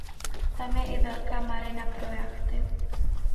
Tam je i velká marina pro jachty.